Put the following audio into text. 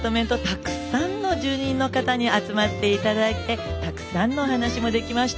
たくさんの住人の方に集まって頂いてたくさんのお話もできました。